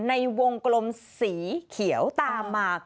ในวงกลมสีเขียวตามมา